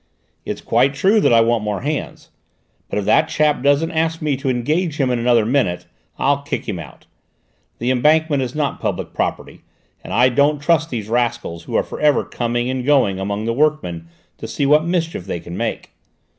It's quite true that I want more hands. But if that chap doesn't ask me to engage him in another minute, I'll kick him out. The embankment is not public property, and I don't trust these rascals who are for ever coming and going among the workmen to see what mischief they can make.